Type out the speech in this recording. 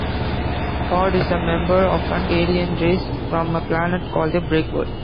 Ord is a member of an alien race from a planet called the Breakworld.